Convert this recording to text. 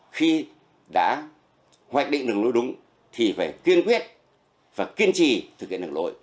khi đã hoạch định đường lối đúng thì phải kiên quyết và kiên trì thực hiện đường lối